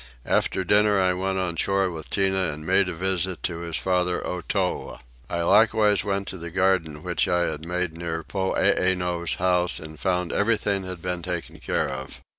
After dinner I went on shore with Tinah and made a visit to his father Otow. I likewise went to the garden which I had made near Poeeno's house and found everything had been taken care of.